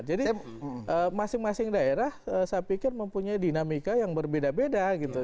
jadi masing masing daerah saya pikir mempunyai dinamika yang berbeda beda gitu